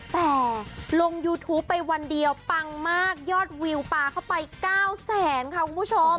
แต่ลงยูทูปไปวันเดียวปังมากยอดวิวปลาเข้าไป๙แสนค่ะคุณผู้ชม